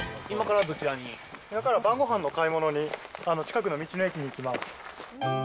今から晩ごはんの買い物に、近くの道の駅に行きます。